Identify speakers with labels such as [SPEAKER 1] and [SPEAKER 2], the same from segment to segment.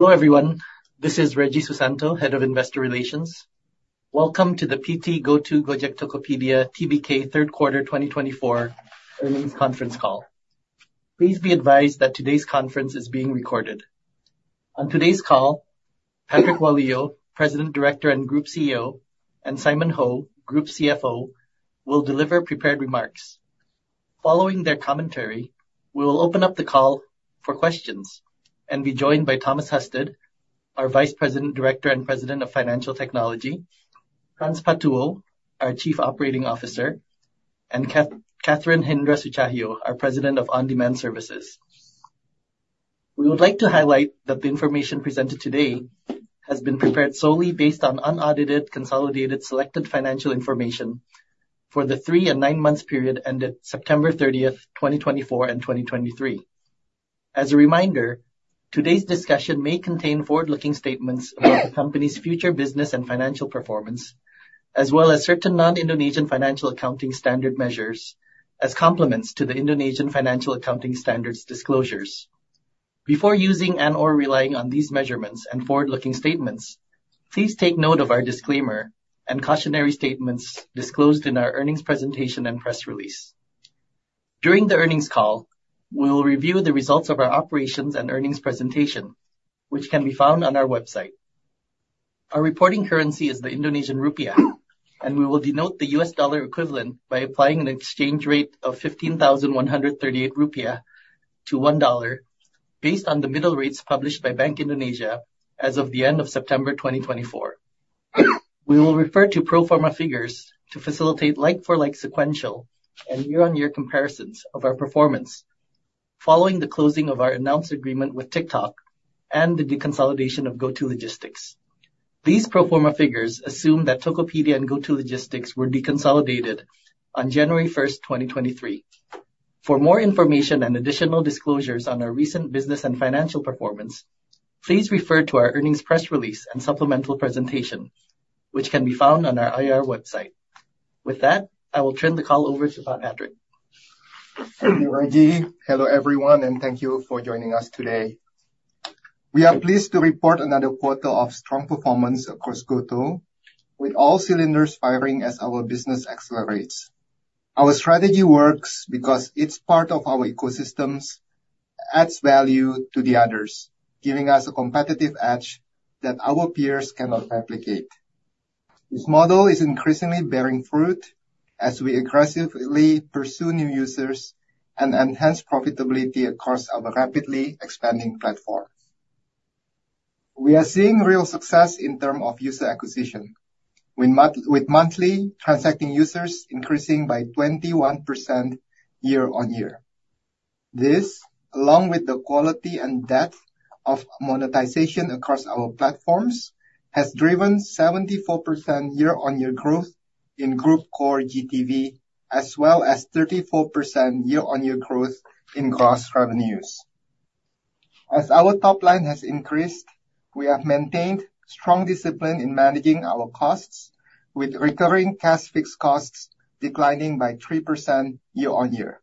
[SPEAKER 1] Hello everyone, this is Reggie Susanto, Head of Investor Relations. Welcome to the PT GoTo Gojek Tokopedia Tbk Q3 2024 earnings conference call. Please be advised that today's conference is being recorded. On today's call, Patrick Walujo, President Director and Group CEO, and Simon Ho, Group CFO, will deliver prepared remarks. Following their commentary, we will open up the call for questions and be joined by Thomas Husted, our Vice President Director and President of Financial Technology, Hans Patuwo, our Chief Operating Officer, and Catherine Hindra Sutjahyo, our President of On-Demand Services. We would like to highlight that the information presented today has been prepared solely based on unaudited, consolidated, selected financial information for the 3 and 9 months period ended September 30, 2024 and 2023. As a reminder, today's discussion may contain forward-looking statements about the company's future business and financial performance, as well as certain non-Indonesian financial accounting standard measures as complements to the Indonesian financial accounting standards disclosures. Before using and/or relying on these measurements and forward-looking statements, please take note of our disclaimer and cautionary statements disclosed in our earnings presentation and press release. During the earnings call, we will review the results of our operations and earnings presentation, which can be found on our website. Our reporting currency is the Indonesian Rupiah, and we will denote the U.S. dollar equivalent by applying an exchange rate of 15,138 Rupiah to 1 dollar based on the middle rates published by Bank Indonesia as of the end of September 2024. We will refer to pro forma figures to facilitate like-for-like sequential and year-on-year comparisons of our performance following the closing of our announced agreement with TikTok and the deconsolidation of GoTo Logistics. These pro forma figures assume that Tokopedia and GoTo Logistics were deconsolidated on January 1, 2023. For more information and additional disclosures on our recent business and financial performance, please refer to our earnings press release and supplemental presentation, which can be found on our IR website. With that, I will turn the call over to Patrick.
[SPEAKER 2] Reggie, hello everyone, and thank you for joining us today. We are pleased to report another quarter of strong performance across GoTo, with all cylinders firing as our business accelerates. Our strategy works because each part of our ecosystems adds value to the others, giving us a competitive edge that our peers cannot replicate. This model is increasingly bearing fruit as we aggressively pursue new users and enhance profitability across our rapidly expanding platform. We are seeing real success in terms of user acquisition, with monthly transacting users increasing by 21% year-on-year. This, along with the quality and depth of monetization across our platforms, has driven 74% year-on-year growth in Group Core GTV, as well as 34% year-on-year growth in gross revenues. As our top line has increased, we have maintained strong discipline in managing our costs, with recurring cash fixed costs declining by 3% year-on-year,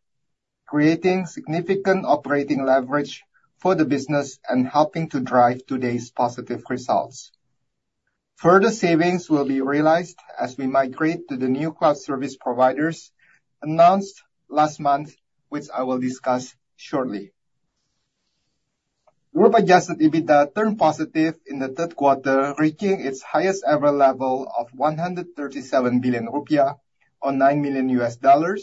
[SPEAKER 2] creating significant operating leverage for the business and helping to drive today's positive results. Further savings will be realized as we migrate to the new cloud service providers announced last month, which I will discuss shortly. Group Adjusted EBITDA turned positive in the third quarter, reaching its highest ever level of 137 billion Rupiah or $9 million,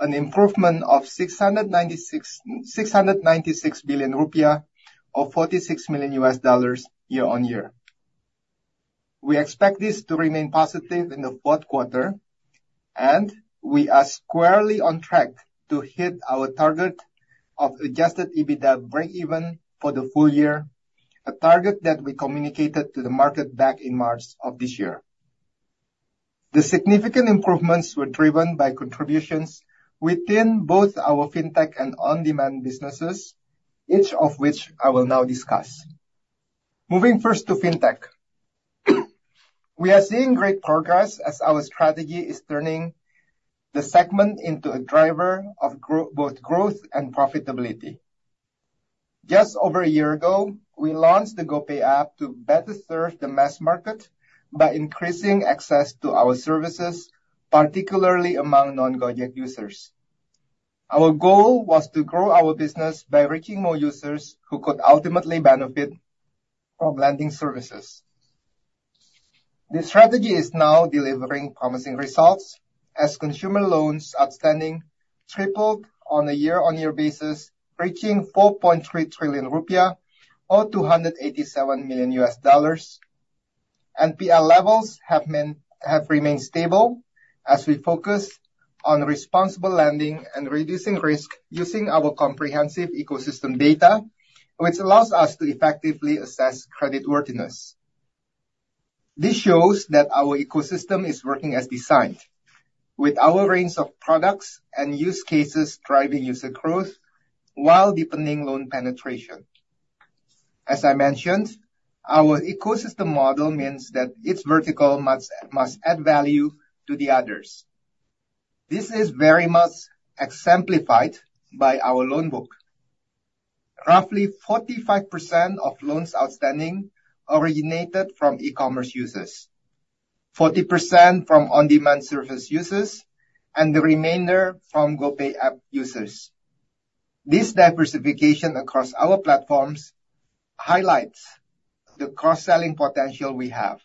[SPEAKER 2] an improvement of 696 billion Rupiah or $46 million year-on-year. We expect this to remain positive in the fourth quarter, and we are squarely on track to hit our target of Adjusted EBITDA break-even for the full year, a target that we communicated to the market back in March of this year. The significant improvements were driven by contributions within both our fintech and on-demand businesses, each of which I will now discuss. Moving first to fintech, we are seeing great progress as our strategy is turning the segment into a driver of both growth and profitability. Just over a year ago, we launched the GoPay app to better serve the mass market by increasing access to our services, particularly among non-Gojek users. Our goal was to grow our business by reaching more users who could ultimately benefit from lending services. The strategy is now delivering promising results as consumer loans outstanding tripled on a year-on-year basis, reaching 4.3 trillion rupiah or $287 million. NPL levels have remained stable as we focus on responsible lending and reducing risk using our comprehensive ecosystem data, which allows us to effectively assess creditworthiness. This shows that our ecosystem is working as designed, with our range of products and use cases driving user growth while deepening loan penetration. As I mentioned, our ecosystem model means that each vertical must add value to the others. This is very much exemplified by our loan book. Roughly 45% of loans outstanding originated from e-commerce users, 40% from on-demand service users, and the remainder from GoPay app users. This diversification across our platforms highlights the cross-selling potential we have.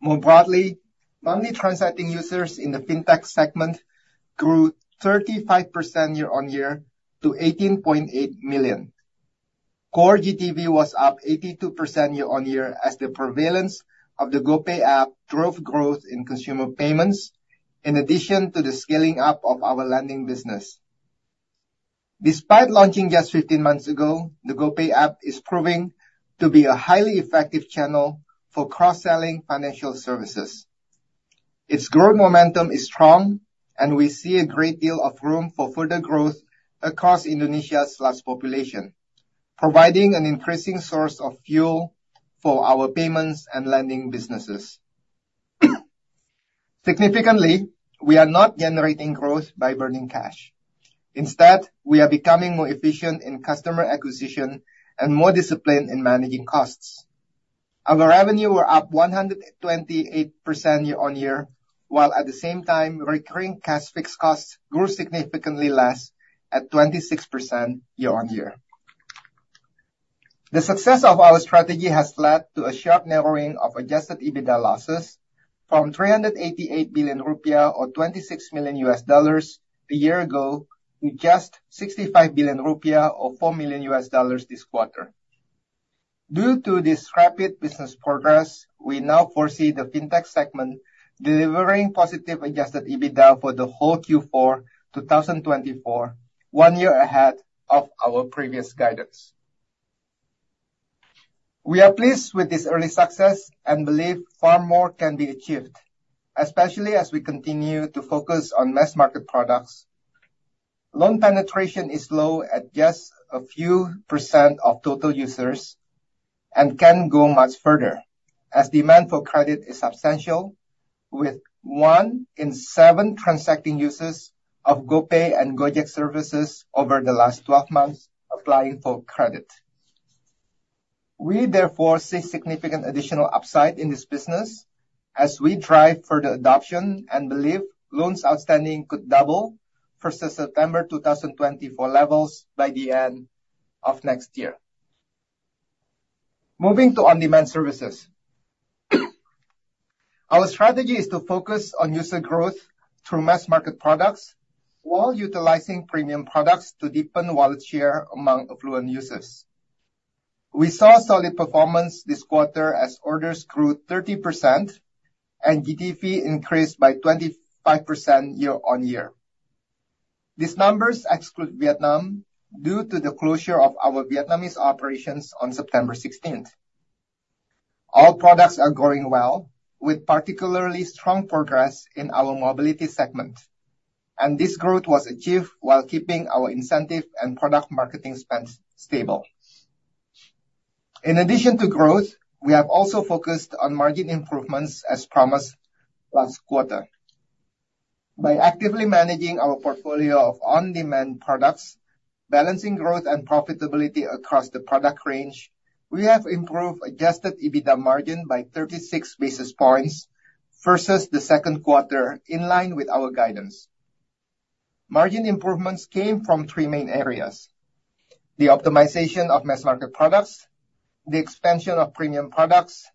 [SPEAKER 2] More broadly, monthly transacting users in the fintech segment grew 35% year-on-year to 18.8 million. Core GTV was up 82% year-on-year as the prevalence of the GoPay app drove growth in consumer payments, in addition to the scaling up of our lending business. Despite launching just 15 months ago, the GoPay app is proving to be a highly effective channel for cross-selling financial services. Its growth momentum is strong, and we see a great deal of room for further growth across Indonesia's populations, providing an increasing source of fuel for our payments and lending businesses. Significantly, we are not generating growth by burning cash. Instead, we are becoming more efficient in customer acquisition and more disciplined in managing costs. Our revenue was up 128% year-on-year, while at the same time, recurring cash fixed costs grew significantly less at 26% year-on-year. The success of our strategy has led to a sharp narrowing of adjusted EBITDA losses from 388 billion rupiah or $26 million a year ago to just 65 billion rupiah or $4 million this quarter. Due to this rapid business progress, we now foresee the fintech segment delivering positive adjusted EBITDA for the whole Q4 2024, one year ahead of our previous guidance. We are pleased with this early success and believe far more can be achieved, especially as we continue to focus on mass market products. Loan penetration is low at just a few % of total users and can go much further as demand for credit is substantial, with one in seven transacting users of GoPay and Gojek services over the last 12 months applying for credit. We therefore see significant additional upside in this business as we drive further adoption and believe loans outstanding could double versus September 2024 levels by the end of next year. Moving to on-demand services, our strategy is to focus on user growth through mass market products while utilizing premium products to deepen wallet share among affluent users. We saw solid performance this quarter as orders grew 30% and GTV increased by 25% year-on-year. These numbers exclude Vietnam due to the closure of our Vietnamese operations on September 16. All products are going well, with particularly strong progress in our mobility segment, and this growth was achieved while keeping our incentive and product marketing spend stable. In addition to growth, we have also focused on margin improvements as promised last quarter. By actively managing our portfolio of on-demand products, balancing growth and profitability across the product range, we have improved Adjusted EBITDA margin by 36 basis points versus the second quarter, in line with our guidance. Margin improvements came from three main areas: the optimization of mass market products, the expansion of premium products,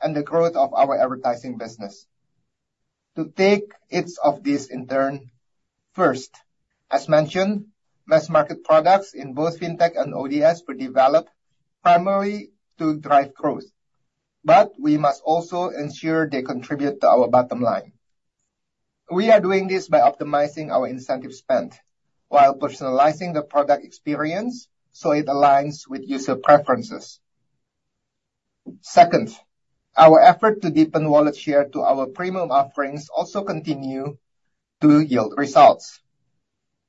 [SPEAKER 2] and the growth of our advertising business. To take each of these in turn, first, as mentioned, mass market products in both fintech and ODS were developed primarily to drive growth, but we must also ensure they contribute to our bottom line. We are doing this by optimizing our incentive spend while personalizing the product experience so it aligns with user preferences. Second, our effort to deepen wallet share to our premium offerings also continues to yield results.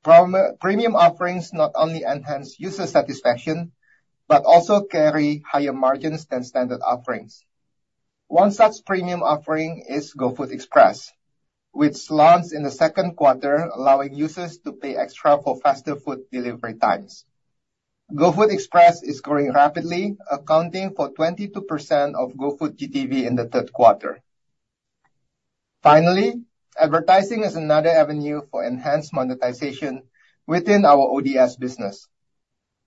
[SPEAKER 2] Premium offerings not only enhance user satisfaction but also carry higher margins than standard offerings. One such premium offering is GoFood Express, which launched in the second quarter, allowing users to pay extra for faster food delivery times. GoFood Express is growing rapidly, accounting for 22% of GoFood GTV in the third quarter. Finally, advertising is another avenue for enhanced monetization within our ODS business.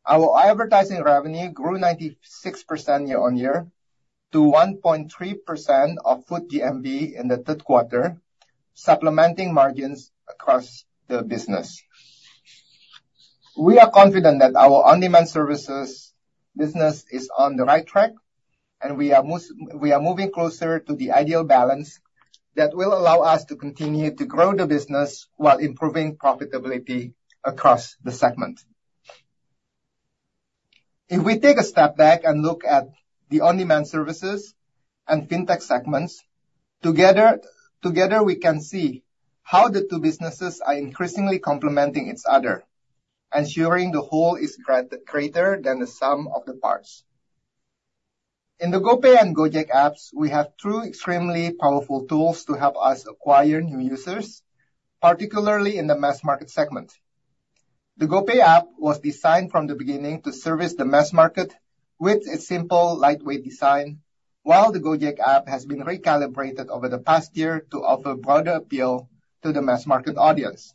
[SPEAKER 2] Our advertising revenue grew 96% year-on-year to 1.3% of food GMV in the third quarter, supplementing margins across the business. We are confident that our on-demand services business is on the right track, and we are moving closer to the ideal balance that will allow us to continue to grow the business while improving profitability across the segment. If we take a step back and look at the on-demand services and fintech segments, together we can see how the two businesses are increasingly complementing each other, ensuring the whole is greater than the sum of the parts. In the GoPay and Gojek apps, we have two extremely powerful tools to help us acquire new users, particularly in the mass market segment. The GoPay app was designed from the beginning to service the mass market with a simple, lightweight design, while the Gojek app has been recalibrated over the past year to offer broader appeal to the mass market audience.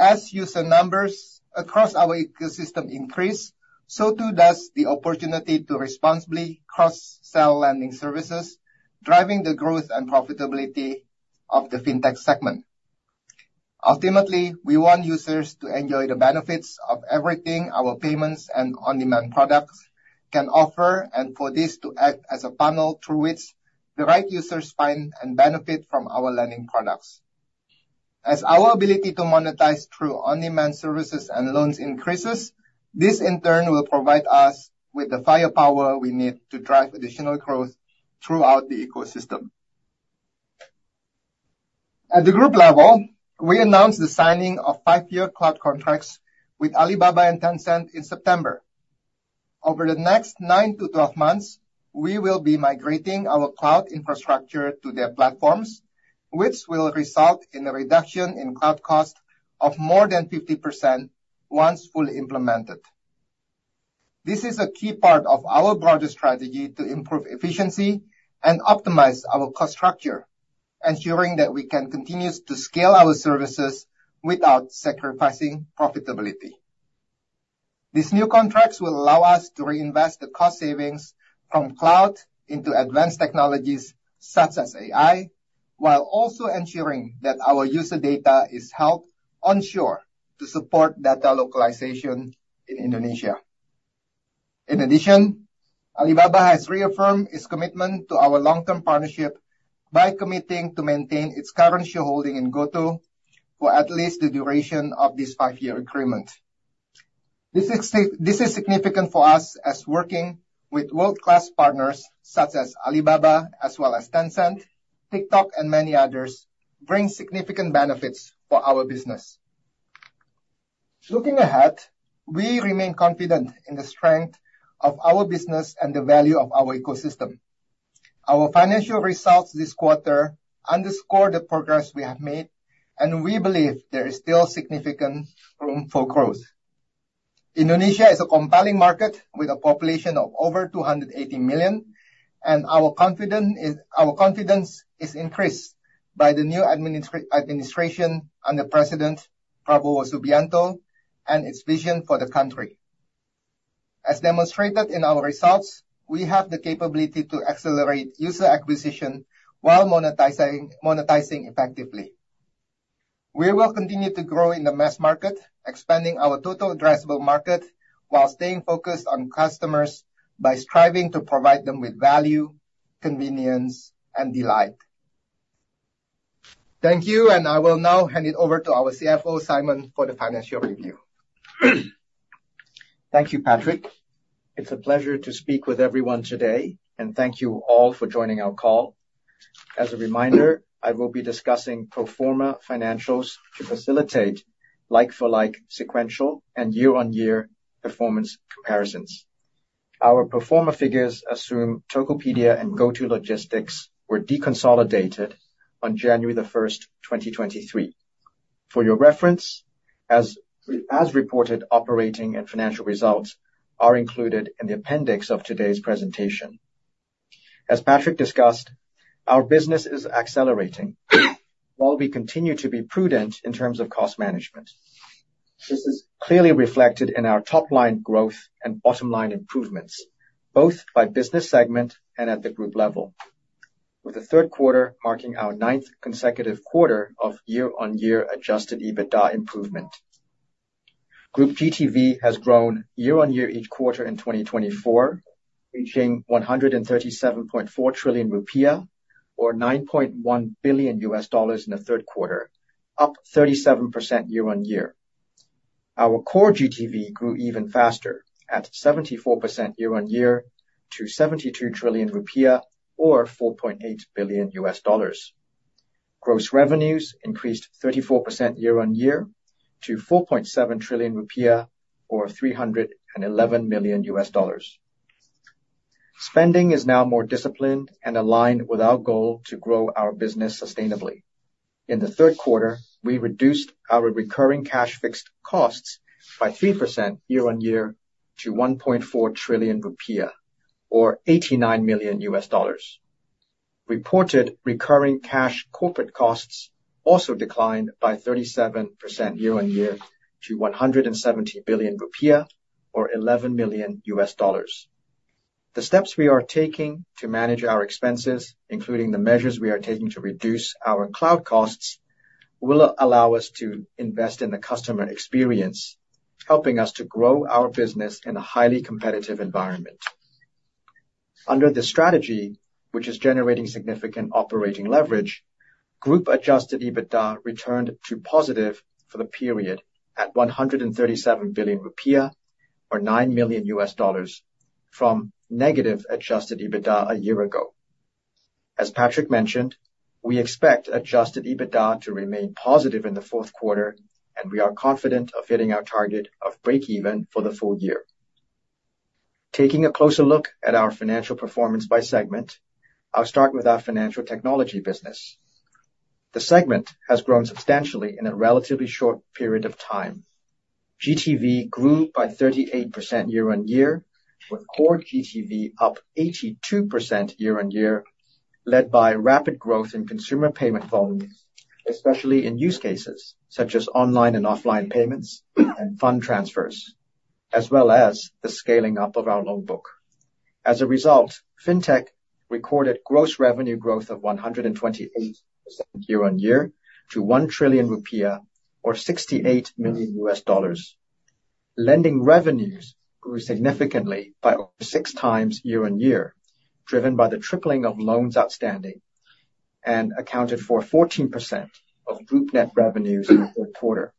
[SPEAKER 2] As user numbers across our ecosystem increase, so too does the opportunity to responsibly cross-sell lending services, driving the growth and profitability of the fintech segment. Ultimately, we want users to enjoy the benefits of everything our payments and on-demand products can offer, and for this to act as a funnel through which the right users find and benefit from our lending products. As our ability to monetize through on-demand services and loans increases, this in turn will provide us with the firepower we need to drive additional growth throughout the ecosystem. At the group level, we announced the signing of five-year cloud contracts with Alibaba and Tencent in September. Over the next nine to 12 months, we will be migrating our cloud infrastructure to their platforms, which will result in a reduction in cloud cost of more than 50% once fully implemented. This is a key part of our broader strategy to improve efficiency and optimize our cost structure, ensuring that we can continue to scale our services without sacrificing profitability. These new contracts will allow us to reinvest the cost savings from cloud into advanced technologies such as AI, while also ensuring that our user data is held onshore to support data localization in Indonesia. In addition, Alibaba has reaffirmed its commitment to our long-term partnership by committing to maintain its current shareholding in GoTo for at least the duration of this five-year agreement. This is significant for us as working with world-class partners such as Alibaba, as well as Tencent, TikTok, and many others brings significant benefits for our business. Looking ahead, we remain confident in the strength of our business and the value of our ecosystem. Our financial results this quarter underscore the progress we have made, and we believe there is still significant room for growth. Indonesia is a compelling market with a population of over 280 million, and our confidence is increased by the new administration under President Prabowo Subianto and its vision for the country. As demonstrated in our results, we have the capability to accelerate user acquisition while monetizing effectively. We will continue to grow in the mass market, expanding our total addressable market while staying focused on customers by striving to provide them with value, convenience, and delight. Thank you, and I will now hand it over to our CFO, Simon, for the financial review.
[SPEAKER 3] Thank you, Patrick. It's a pleasure to speak with everyone today, and thank you all for joining our call. As a reminder, I will be discussing Pro Forma financials to facilitate like-for-like sequential and year-on-year performance comparisons. Our Pro Forma figures assume Tokopedia and GoTo Logistics were deconsolidated on January 1, 2023. For your reference, as reported, operating and financial results are included in the appendix of today's presentation. As Patrick discussed, our business is accelerating while we continue to be prudent in terms of cost management. This is clearly reflected in our top-line growth and bottom-line improvements, both by business segment and at the group level, with the third quarter marking our ninth consecutive quarter of year-on-year Adjusted EBITDA improvement. Group GTV has grown year-on-year each quarter in 2024, reaching 137.4 trillion rupiah or $9.1 billion in the third quarter, up 37% year-on-year. Our core GTV grew even faster at 74% year-on-year to IDR 72 trillion or $4.8 billion. Gross revenues increased 34% year-on-year to IDR 4.7 trillion or $311 million. Spending is now more disciplined and aligned with our goal to grow our business sustainably. In the third quarter, we reduced our recurring cash fixed costs by 3% year-on-year to 1.4 trillion rupiah or $89 million. Reported recurring cash corporate costs also declined by 37% year-on-year to 170 billion rupiah or $11 million. The steps we are taking to manage our expenses, including the measures we are taking to reduce our cloud costs, will allow us to invest in the customer experience, helping us to grow our business in a highly competitive environment. Under the strategy, which is generating significant operating leverage, group-adjusted EBITDA returned to positive for the period at 137 billion rupiah or $9 million from negative adjusted EBITDA a year ago. As Patrick mentioned, we expect adjusted EBITDA to remain positive in the fourth quarter, and we are confident of hitting our target of break-even for the full year. Taking a closer look at our financial performance by segment, I'll start with our financial technology business. The segment has grown substantially in a relatively short period of time. GTV grew by 38% year-on-year, with core GTV up 82% year-on-year, led by rapid growth in consumer payment volume, especially in use cases such as online and offline payments and fund transfers, as well as the scaling up of our loan book. As a result, fintech recorded gross revenue growth of 128% year-on-year to 1 trillion rupiah or $68 million. Lending revenues grew significantly by over six times year-on-year, driven by the tripling of loans outstanding and accounted for 14% of group net revenues in the third quarter.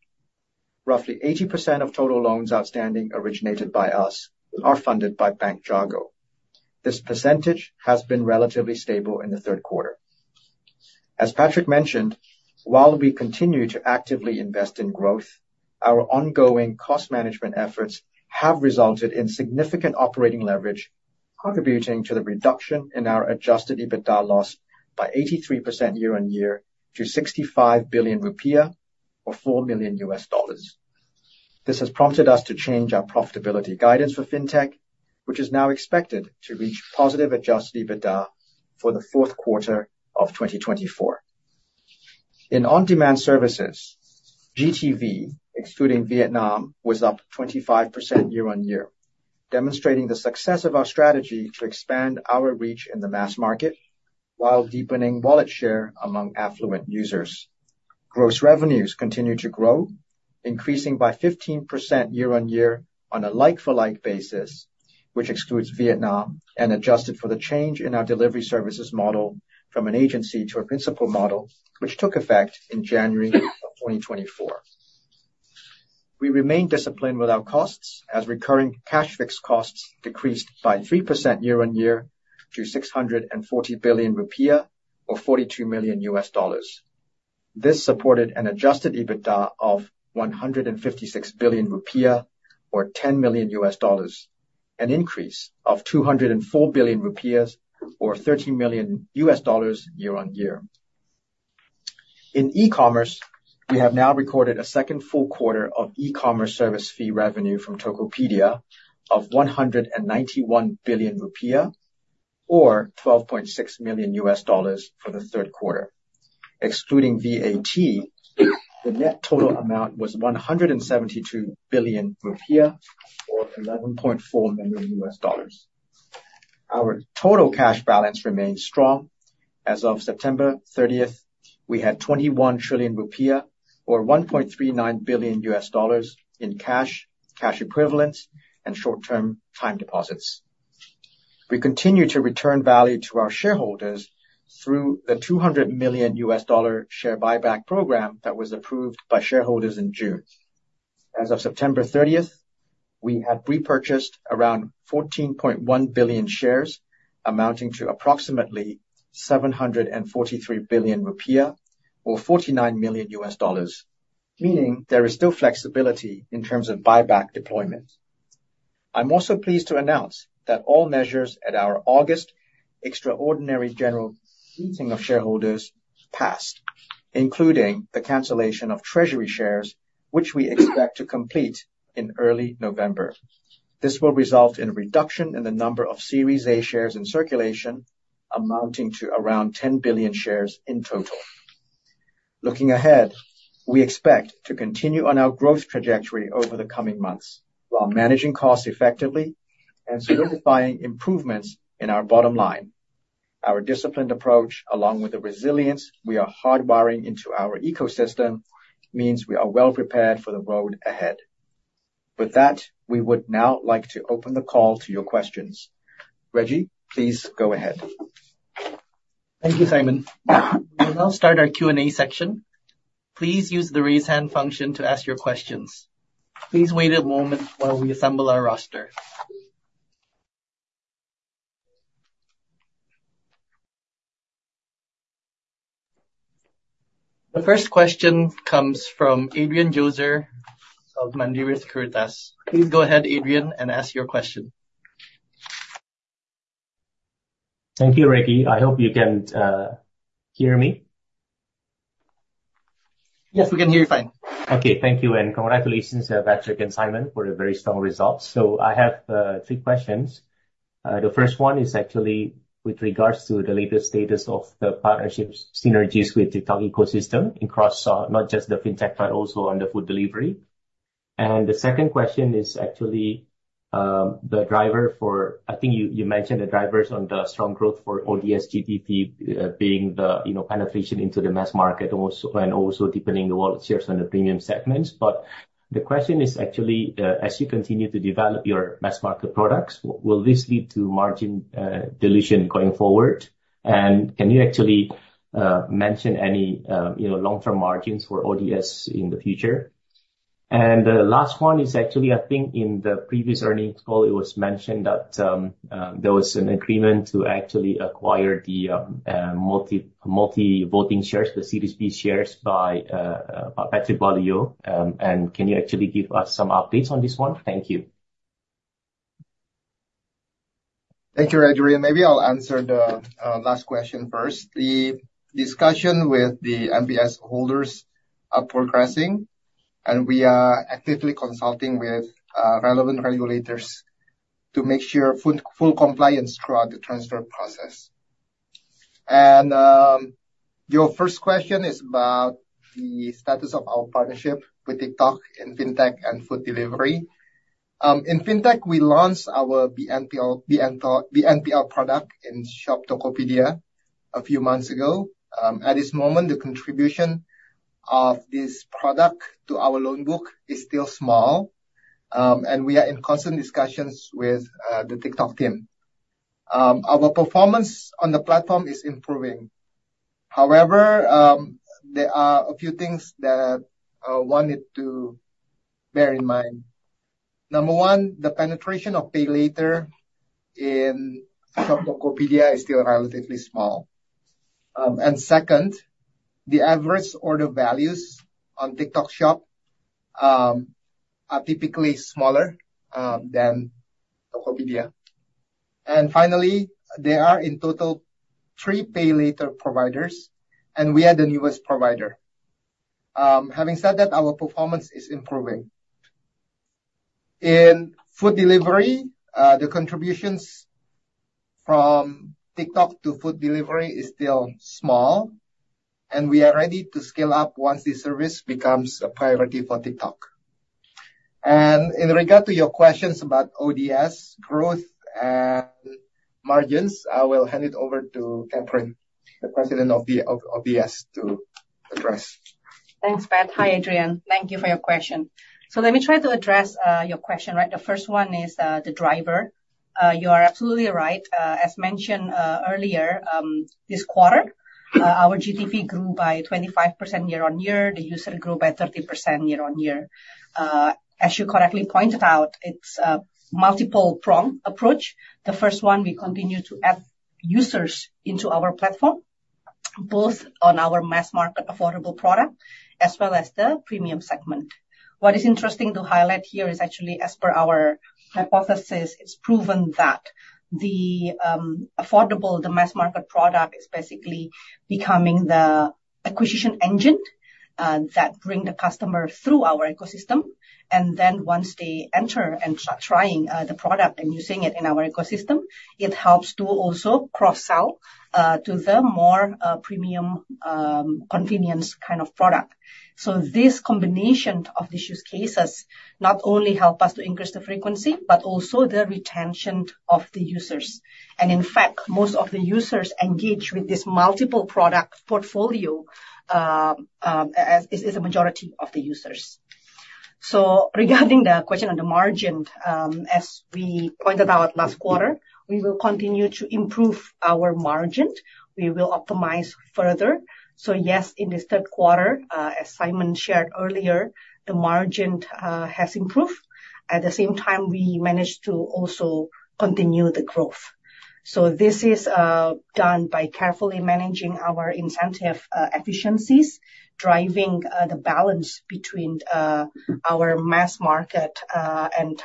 [SPEAKER 3] Roughly 80% of total loans outstanding originated by us are funded by Bank Jago. This percentage has been relatively stable in the third quarter. As Patrick mentioned, while we continue to actively invest in growth, our ongoing cost management efforts have resulted in significant operating leverage, contributing to the reduction in our adjusted EBITDA loss by 83% year-on-year to 65 billion rupiah or $4 million. This has prompted us to change our profitability guidance for fintech, which is now expected to reach positive adjusted EBITDA for the fourth quarter of 2024. In on-demand services, GTV, excluding Vietnam, was up 25% year-on-year, demonstrating the success of our strategy to expand our reach in the mass market while deepening wallet share among affluent users. Gross revenues continue to grow, increasing by 15% year-on-year on a like-for-like basis, which excludes Vietnam, and adjusted for the change in our delivery services model from an agency to a principal model, which took effect in January of 2024. We remain disciplined with our costs as recurring cash fixed costs decreased by 3% year-on-year to 640 billion rupiah or $42 million. This supported an Adjusted EBITDA of 156 billion rupiah or $10 million, an increase of 204 billion rupiah or $13 million year-on-year. In e-commerce, we have now recorded a second full quarter of e-commerce service fee revenue from Tokopedia of 191 billion rupiah or $12.6 million for the third quarter. Excluding VAT, the net total amount was 172 billion rupiah or $11.4 million. Our total cash balance remains strong. As of September 30, we had 21 trillion rupiah or $1.39 billion in cash, cash equivalents, and short-term time deposits. We continue to return value to our shareholders through the $200 million share buyback program that was approved by shareholders in June. As of September 30, we had repurchased around 14.1 billion shares, amounting to approximately 743 billion rupiah or $49 million, meaning there is still flexibility in terms of buyback deployment. I'm also pleased to announce that all measures at our August extraordinary general meeting of shareholders passed, including the cancellation of treasury shares, which we expect to complete in early November. This will result in a reduction in the number of Series A shares in circulation, amounting to around 10 billion shares in total. Looking ahead, we expect to continue on our growth trajectory over the coming months while managing costs effectively and solidifying improvements in our bottom line. Our disciplined approach, along with the resilience we are hardwiring into our ecosystem, means we are well prepared for the road ahead. With that, we would now like to open the call to your questions. Reggie, please go ahead.
[SPEAKER 1] Thank you, Simon. We will now start our Q&A section. Please use the raise hand function to ask your questions. Please wait a moment while we assemble our roster. The first question comes from Adrian Joezer of Mandiri Sekuritas. Please go ahead, Adrian, and ask your question.
[SPEAKER 4] Thank you, Reggie. I hope you can hear me. Yes, we can hear you fine. Okay, thank you, and congratulations, Patrick and Simon, for the very strong results. So I have three questions. The first one is actually with regards to the latest status of the partnership synergies with the TikTok ecosystem across not just the fintech, but also on the food delivery. And the second question is actually the driver for, I think you mentioned the drivers on the strong growth for ODS GTV being the penetration into the mass market and also deepening the wallet shares on the premium segments. But the question is actually, as you continue to develop your mass market products, will this lead to margin dilution going forward? And can you actually mention any long-term margins for ODS in the future? And the last one is actually, I think in the previous earnings call, it was mentioned that there was an agreement to actually acquire the multi-voting shares, the CDSP shares by Patrick Walujo. And can you actually give us some updates on this one? Thank you.
[SPEAKER 2] Thank you, Adrian. Maybe I'll answer the last question first. The discussion with the MVS holders is progressing, and we are actively consulting with relevant regulators to make sure full compliance throughout the transfer process. And your first question is about the status of our partnership with TikTok in fintech and food delivery. In fintech, we launched our BNPL product in Shop Tokopedia a few months ago. At this moment, the contribution of this product to our loan book is still small, and we are in constant discussions with the TikTok team. Our performance on the platform is improving. However, there are a few things that one needs to bear in mind. Number one, the penetration of pay later in Shop Tokopedia is still relatively small. And second, the average order values on TikTok Shop are typically smaller than Tokopedia. And finally, there are in total three pay later providers, and we are the newest provider. Having said that, our performance is improving. In food delivery, the contributions from TikTok to food delivery are still small, and we are ready to scale up once the service becomes a priority for TikTok. And in regard to your questions about ODS growth and margins, I will hand it over to Catherine, the President of ODS, to address. Thanks, Pat.
[SPEAKER 5] Hi, Adrian. Thank you for your question. So let me try to address your question. The first one is the driver. You are absolutely right. As mentioned earlier, this quarter, our GTV grew by 25% year-on-year. The user grew by 30% year-on-year. As you correctly pointed out, it's a multi-pronged approach. The first one, we continue to add users into our platform, both on our mass market affordable product as well as the premium segment. What is interesting to highlight here is actually, as per our hypothesis, it's proven that the affordable, the mass market product is basically becoming the acquisition engine that brings the customer through our ecosystem. And then once they enter and start trying the product and using it in our ecosystem, it helps to also cross-sell to the more premium convenience kind of product. So this combination of these use cases not only helps us to increase the frequency, but also the retention of the users. And in fact, most of the users engage with this multiple product portfolio as is the majority of the users. So regarding the question on the margin, as we pointed out last quarter, we will continue to improve our margin. We will optimize further. So yes, in this third quarter, as Simon shared earlier, the margin has improved. At the same time, we managed to also continue the growth. So this is done by carefully managing our incentive efficiencies, driving the balance between our mass market and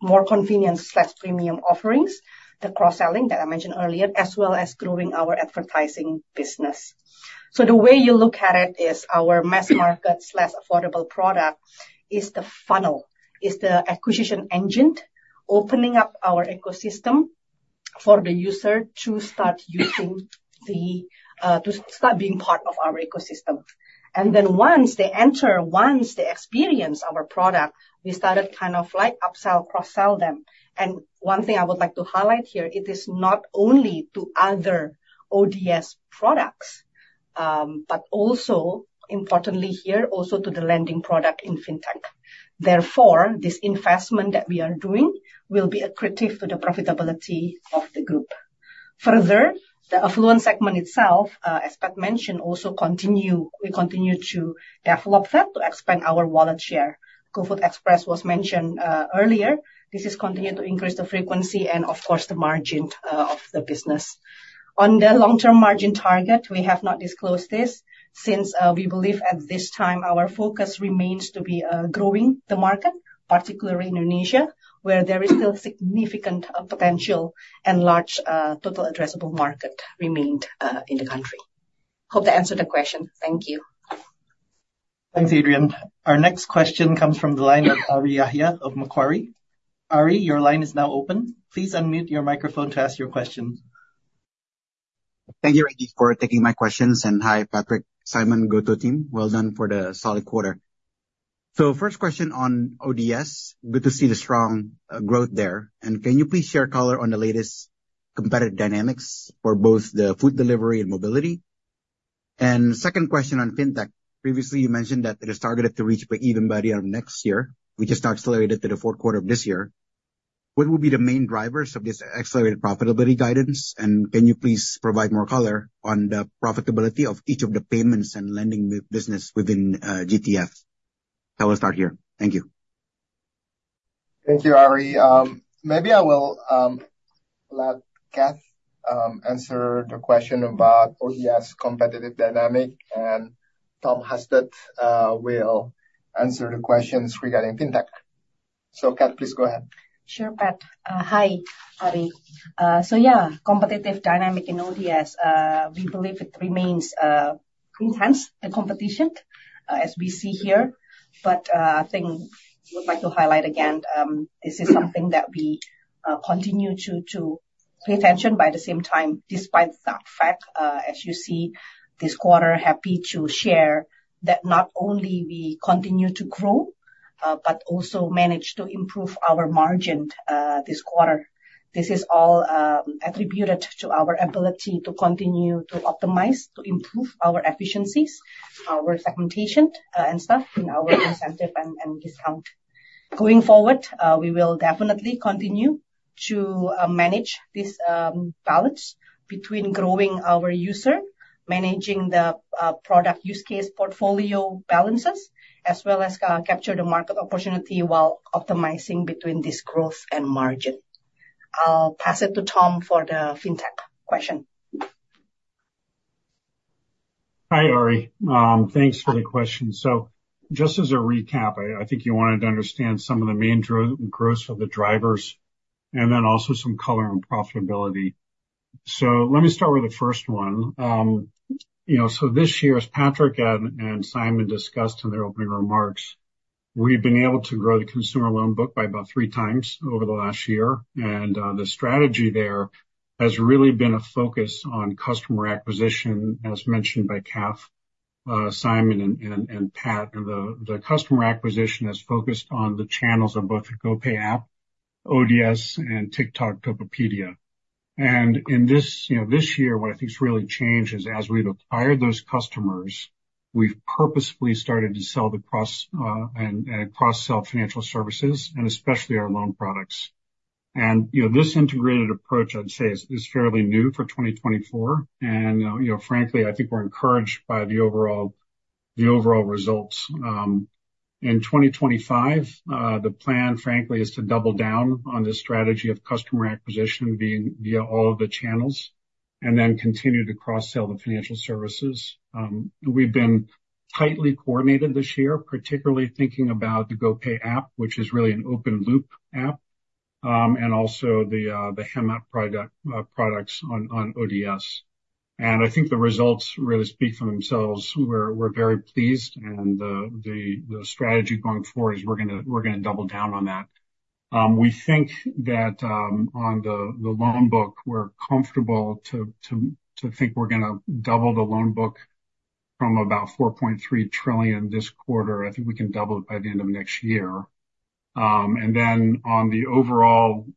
[SPEAKER 5] more convenience/premium offerings, the cross-selling that I mentioned earlier, as well as growing our advertising business. The way you look at it is our mass market/affordable product is the funnel, is the acquisition engine opening up our ecosystem for the user to start using, to start being part of our ecosystem. And then once they enter, once they experience our product, we started kind of like upsell, cross-sell them. And one thing I would like to highlight here, it is not only to other ODS products, but also importantly here, also to the lending product in fintech. Therefore, this investment that we are doing will be key to the profitability of the group. Further, the affluent segment itself, as Pat mentioned, we continue to develop that to expand our wallet share. GoFood Express was mentioned earlier. This is continued to increase the frequency and, of course, the margin of the business. On the long-term margin target, we have not disclosed this since we believe at this time our focus remains to be growing the market, particularly in Indonesia, where there is still significant potential and large total addressable market remained in the country. Hope that answered the question. Thank you.
[SPEAKER 1] Thanks, Adrian. Our next question comes from the line of Ari Jahja of Macquarie. Ari, your line is now open. Please unmute your microphone to ask your question.
[SPEAKER 6] Thank you, Reggie, for taking my questions. And hi, Patrick, Simon, GoTo team. Well done for the solid quarter. So first question on ODS, good to see the strong growth there. And can you please share color on the latest competitive dynamics for both the food delivery and mobility? And second question on fintech. Previously, you mentioned that it is targeted to reach break-even by the end of next year. We just accelerated to the fourth quarter of this year. What will be the main drivers of this accelerated profitability guidance? And can you please provide more color on the profitability of each of the payments and lending business within GTF? I will start here. Thank you.
[SPEAKER 2] Thank you, Ari. Maybe I will let Kath answer the question about ODS competitive dynamic, and Tom Husted will answer the questions regarding fintech. So Cath, please go ahead.
[SPEAKER 5] Sure, Pat. Hi, Ari. So yeah, competitive dynamic in ODS, we believe it remains intense, the competition, as we see here. But I think I would like to highlight again, this is something that we continue to pay attention at the same time, despite the fact, as you see this quarter, happy to share that not only we continue to grow, but also manage to improve our margin this quarter. This is all attributed to our ability to continue to optimize, to improve our efficiencies, our segmentation, and stuff in our incentive and discount. Going forward, we will definitely continue to manage these balance between growing our user, managing the product use case portfolio balances, as well as capture the market opportunity while optimizing between this growth and margin. I'll pass it to Tom for the fintech question.
[SPEAKER 7] Hi, Ari. Thanks for the question. So just as a recap, I think you wanted to understand some of the main growth of the drivers, and then also some color on profitability. So let me start with the first one. So this year, as Patrick and Simon discussed in their opening remarks, we've been able to grow the consumer loan book by about three times over the last year. The strategy there has really been a focus on customer acquisition, as mentioned by Kath, Simon, and Pat. The customer acquisition has focused on the channels of both the GoPay app, ODS, and TikTok Tokopedia. In this year, what I think has really changed is as we've acquired those customers, we've purposefully started to sell the cross- and cross-sell financial services, and especially our loan products. This integrated approach, I'd say, is fairly new for 2024. Frankly, I think we're encouraged by the overall results. In 2025, the plan, frankly, is to double down on this strategy of customer acquisition via all of the channels and then continue to cross-sell the financial services. We've been tightly coordinated this year, particularly thinking about the GoPay app, which is really an open loop app, and also the Hemat products on ODS. I think the results really speak for themselves. We're very pleased, and the strategy going forward is we're going to double down on that. We think that on the loan book, we're comfortable to think we're going to double the loan book from about 4.3 trillion this quarter. I think we can double it by the end of next year. Then on the overall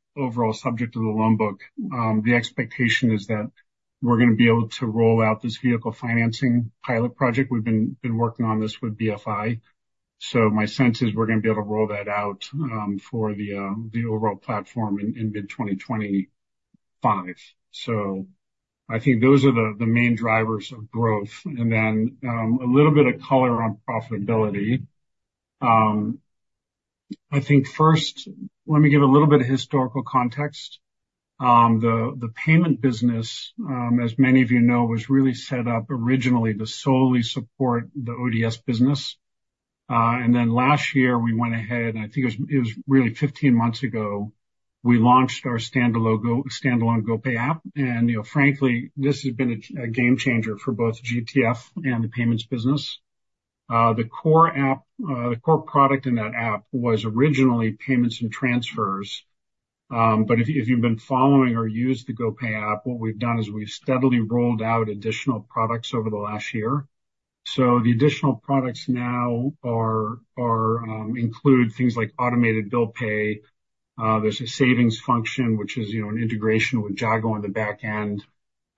[SPEAKER 7] subject of the loan book, the expectation is that we're going to be able to roll out this vehicle financing pilot project. We've been working on this with BFI. So my sense is we're going to be able to roll that out for the overall platform in mid-2025. So I think those are the main drivers of growth. Then a little bit of color on profitability. I think first, let me give a little bit of historical context. The payment business, as many of you know, was really set up originally to solely support the ODS business. And then last year, we went ahead, and I think it was really 15 months ago, we launched our standalone GoPay app. And frankly, this has been a game changer for both GTF and the payments business. The core product in that app was originally payments and transfers. But if you've been following or used the GoPay app, what we've done is we've steadily rolled out additional products over the last year. So the additional products now include things like automated bill pay. There's a savings function, which is an integration with Jago on the back end.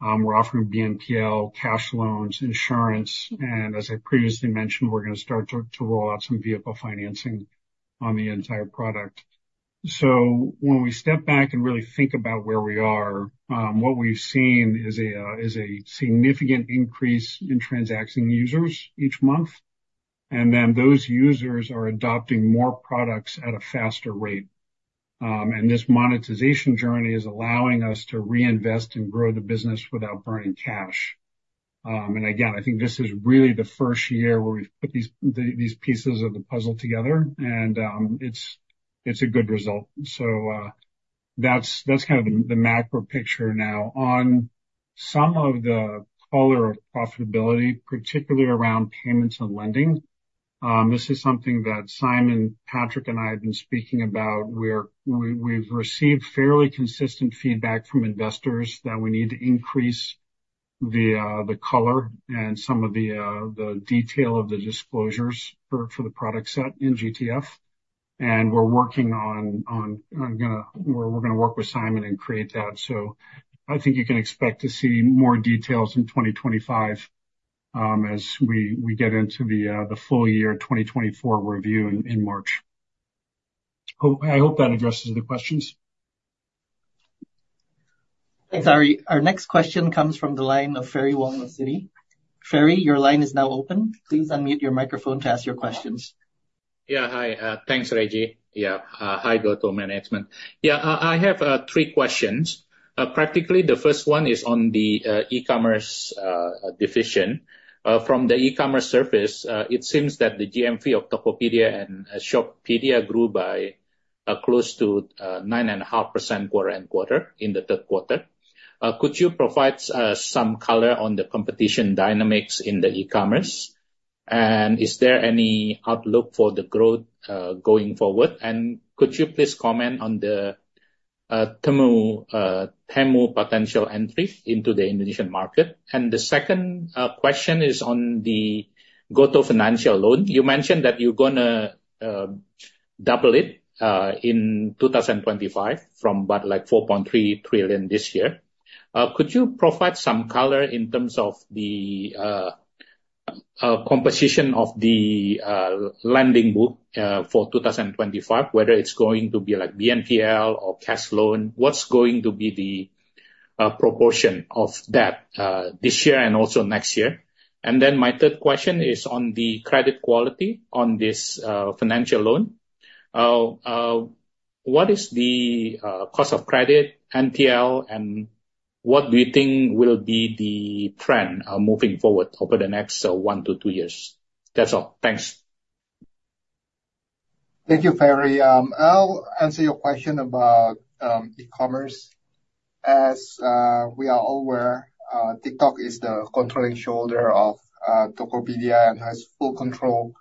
[SPEAKER 7] We're offering BNPL, cash loans, insurance. And as I previously mentioned, we're going to start to roll out some vehicle financing on the entire product. When we step back and really think about where we are, what we've seen is a significant increase in transacting users each month. And then those users are adopting more products at a faster rate. And this monetization journey is allowing us to reinvest and grow the business without burning cash. And again, I think this is really the first year where we've put these pieces of the puzzle together, and it's a good result. So that's kind of the macro picture now. On some of the color of profitability, particularly around payments and lending, this is something that Simon, Patrick, and I have been speaking about. We've received fairly consistent feedback from investors that we need to increase the color and some of the detail of the disclosures for the product set in GTV. And we're working on where we're going to work with Simon and create that. I think you can expect to see more details in 2025 as we get into the full year 2024 review in March. I hope that addresses the questions.
[SPEAKER 1] Thanks, Ari. Our next question comes from the line of Ferry Wong. Ferry, your line is now open. Please unmute your microphone to ask your questions.
[SPEAKER 8] Yeah. Hi. Thanks, Reggie. Yeah. Hi, GoTo management. Yeah. I have three questions. Practically, the first one is on the e-commerce division. From the e-commerce service, it seems that the GMV of Tokopedia and Shopee grew by close to 9.5% quarter and quarter in the third quarter. Could you provide some color on the competition dynamics in the e-commerce? And is there any outlook for the growth going forward? And could you please comment on the Temu potential entry into the Indonesian market? And the second question is on the GoTo financial loan. You mentioned that you're going to double it in 2025 from about like 4.3 trillion this year. Could you provide some color in terms of the composition of the lending book for 2025, whether it's going to be like BNPL or cash loan? What's going to be the proportion of that this year and also next year? And then my third question is on the credit quality on this financial loan. What is the cost of credit, NPL, and what do you think will be the trend moving forward over the next one to two years? That's all.
[SPEAKER 2] Thanks. Thank you, Ferry. I'll answer your question about e-commerce. As we are aware, TikTok is the controlling shareholder of Tokopedia and has full control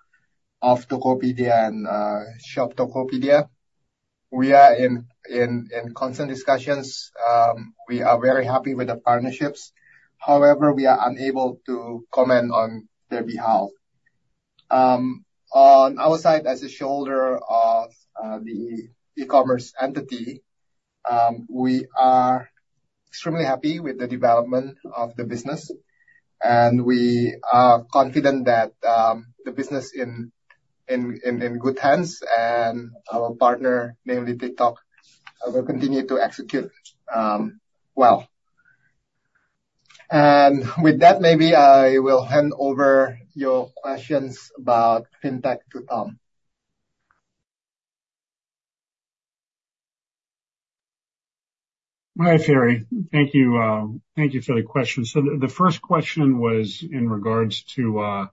[SPEAKER 2] of Tokopedia and Shop Tokopedia. We are in constant discussions. We are very happy with the partnerships. However, we are unable to comment on their behalf. On our side, as a shareholder of the e-commerce entity, we are extremely happy with the development of the business. We are confident that the business is in good hands, and our partner, namely TikTok, will continue to execute well. With that, maybe I will hand over your questions about fintech to Tom.
[SPEAKER 7] Hi, Ferry. Thank you for the question. So the first question was in regards to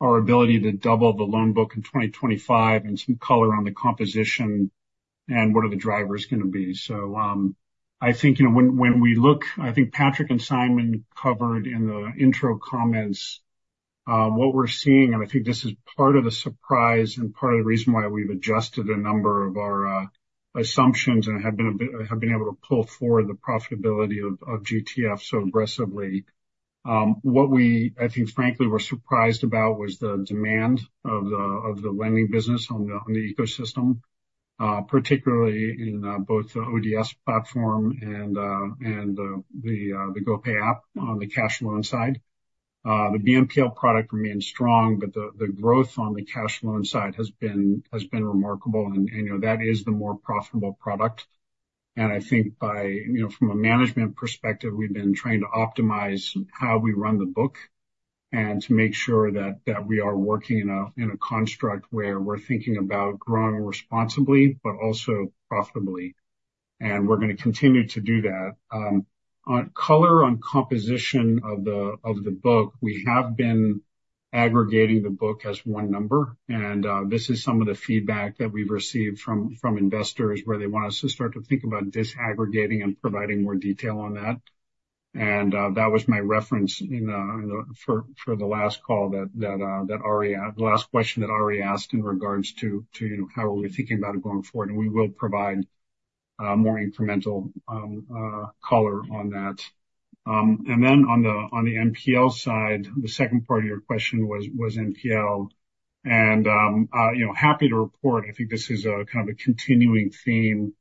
[SPEAKER 7] our ability to double the loan book in 2025 and some color on the composition and what are the drivers going to be. So I think when we look, I think Patrick and Simon covered in the intro comments what we're seeing, and I think this is part of the surprise and part of the reason why we've adjusted a number of our assumptions and have been able to pull forward the profitability of GoTo Financial so aggressively. What we, I think, frankly, were surprised about was the demand of the lending business on the ecosystem, particularly in both the ODS platform and the GoPay app on the cash loan side. The BNPL product remains strong, but the growth on the cash loan side has been remarkable, and that is the more profitable product. I think from a management perspective, we've been trying to optimize how we run the book and to make sure that we are working in a construct where we're thinking about growing responsibly, but also profitably, and we're going to continue to do that. Color on composition of the book, we have been aggregating the book as one number, and this is some of the feedback that we've received from investors where they want us to start to think about disaggregating and providing more detail on that. And that was my reference for the last call that Ari asked, the last question that Ari asked in regards to how are we thinking about it going forward. And we will provide more incremental color on that. And then on the NPL side, the second part of your question was NPL. And happy to report, I think this is kind of a continuing theme.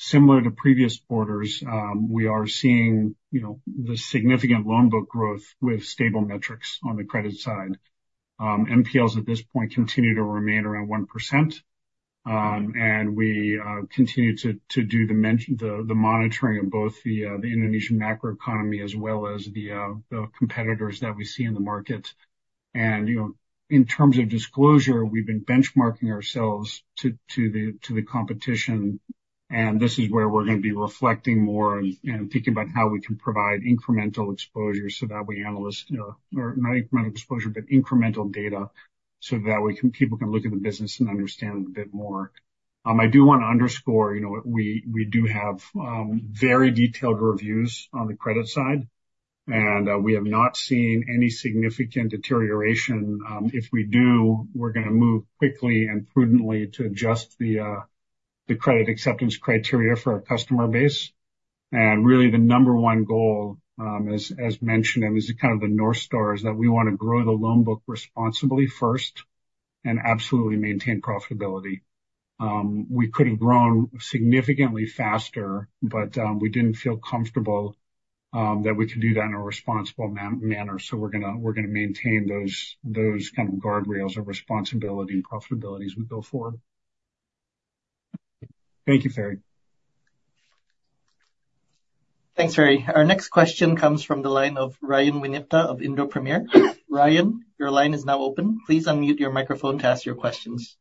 [SPEAKER 7] Similar to previous quarters, we are seeing the significant loan book growth with stable metrics on the credit side. NPLs at this point continue to remain around 1%. And we continue to do the monitoring of both the Indonesian macroeconomy as well as the competitors that we see in the market. And in terms of disclosure, we've been benchmarking ourselves to the competition. This is where we're going to be reflecting more and thinking about how we can provide incremental exposure so that we analysts or not incremental exposure, but incremental data so that people can look at the business and understand a bit more. I do want to underscore we do have very detailed reviews on the credit side. We have not seen any significant deterioration. If we do, we're going to move quickly and prudently to adjust the credit acceptance criteria for our customer base. Really, the number one goal, as mentioned, and this is kind of the North Star, is that we want to grow the loan book responsibly first and absolutely maintain profitability. We could have grown significantly faster, but we didn't feel comfortable that we could do that in a responsible manner. So we're going to maintain those kind of guardrails of responsibility and profitability as we go forward. Thank you, Ferry.
[SPEAKER 1] Thanks, Ferry. Our next question comes from the line of Ryan Winipta of Indo Premier. Ryan, your line is now open. Please unmute your microphone to ask your questions.